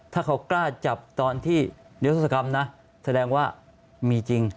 ถ้าเขากล้าจับตอนที่นิรศกรรมนะแสดงว่ามีจริง